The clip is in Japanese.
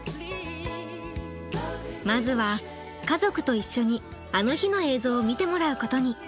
まずは家族と一緒に「あの日」の映像を見てもらうことに。